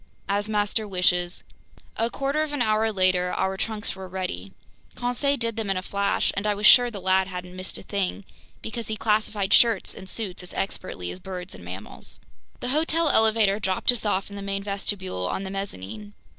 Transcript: "As master wishes." A quarter of an hour later, our trunks were ready. Conseil did them in a flash, and I was sure the lad hadn't missed a thing, because he classified shirts and suits as expertly as birds and mammals. The hotel elevator dropped us off in the main vestibule on the mezzanine.